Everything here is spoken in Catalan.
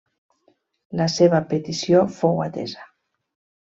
La seva petició fou atesa.